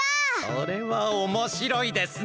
それはおもしろいですね！